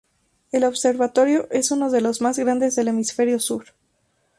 El observatorio es uno de los más grandes del hemisferio sur.